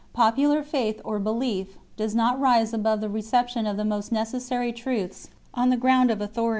Popular faith or belief (TTIOTI?) does not rise above the reception of the most necessary truths on the ground of 1 Clem.